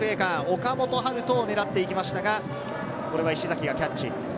岡本温叶を狙ってきましたが、これは石崎がキャッチ。